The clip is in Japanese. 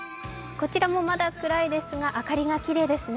こちらもまだ暗いですが、明かりがきれいですね。